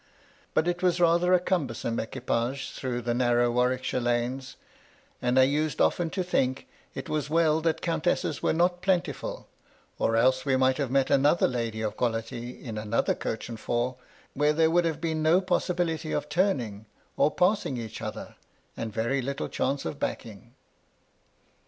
But it was rather a cumbersome equipage through the narrow Warwickshire lanes ; and I used often to think it was well that countesses were not plentiful^ or else we might have met another lady of quality in another coach and four where there would have been no possibility of turning, or passing each other, and very little chance of backing.